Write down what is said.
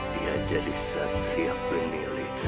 dia jadi satria penilai